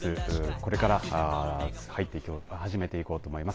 これから始めていこうと思います。